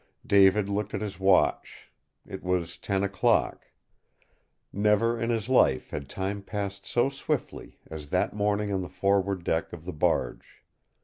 David looked at his watch. It was ten o'clock. Never in his life had time passed so swiftly as that morning on the forward deck of the barge.